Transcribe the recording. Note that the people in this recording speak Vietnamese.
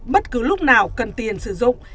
bất cứ lúc nào cần tiền sử dụng